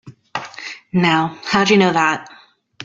Now how'd you know that?